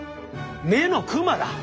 目のクマだ。